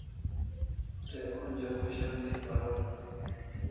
Te onja khoshan thi paron